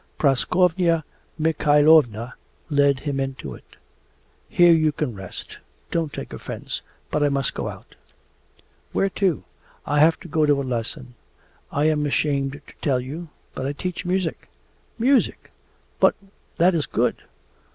Praskovya Mikhaylovna led him into it. 'Here you can rest. Don't take offence... but I must go out.' 'Where to?' 'I have to go to a lesson. I am ashamed to tell you, but I teach music!' 'Music? But that is good.